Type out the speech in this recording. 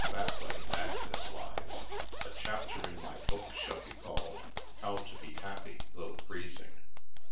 " That way madness lies. A chapter in my book shall be called, * How to be Happy though Freezing.'